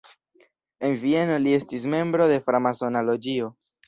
En Vieno li estis membro de framasona loĝio.